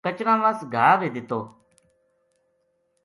کچراں وس گھا بے دِتو